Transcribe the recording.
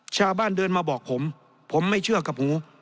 ชาวบ้านเดินมาบอกผมผมไม่เชื่อกับหู